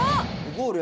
ゴール？